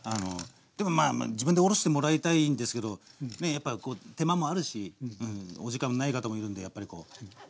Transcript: でもまあ自分でおろしてもらいたいんですけどねやっぱ手間もあるしお時間もない方もいるんでやっぱりこう。